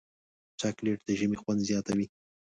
چاکلېټ د ژمي خوند زیاتوي.